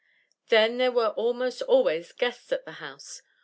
Then there were almost always guests at the house.